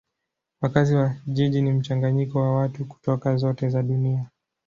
Wakazi wa jiji ni mchanganyiko wa watu kutoka zote za dunia.